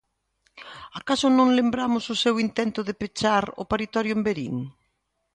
¿Acaso non lembramos o seu intento de pechar un paritorio en Verín?